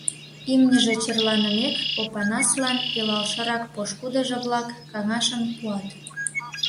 Имньыже черланымек, Опанаслан илалшырак пошкудыжо-влак каҥашым пуат: